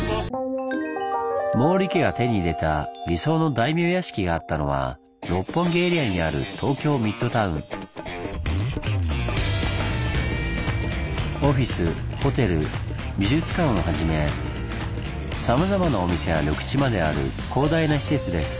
毛利家が手に入れた理想の大名屋敷があったのは六本木エリアにあるオフィスホテル美術館をはじめさまざまなお店や緑地まである広大な施設です。